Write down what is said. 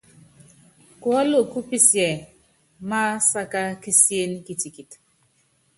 Kuɔ́lɔk kú pisiɛ másaká kisién kitikit.